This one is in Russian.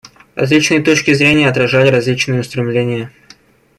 Различные точки зрения отражали различные устремления.